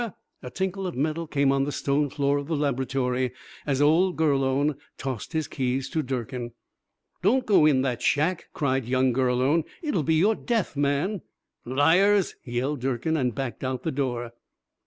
A tinkle of metal came on the stone floor of the laboratory, as old Gurlone tossed his keys to Durkin. "Don't go in that shack," cried young Gurlone. "It'll be your death, man " "Liars," yelled Durkin, and backed out the door.